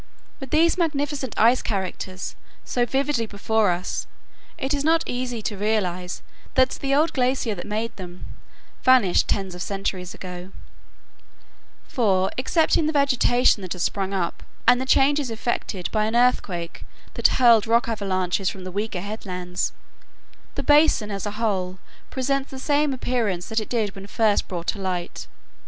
With these magnificent ice characters so vividly before us it is not easy to realize that the old glacier that made them vanished tens of centuries ago; for, excepting the vegetation that has sprung up, and the changes effected by an earthquake that hurled rock avalanches from the weaker headlands, the basin as a whole presents the same appearance that it did when first brought to light.